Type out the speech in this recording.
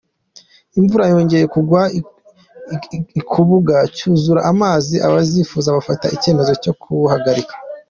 imvura yongeye kugwa ikubuga cyuzura amazi abasifuzi bafata icyemezo cyo kuwuhagarika.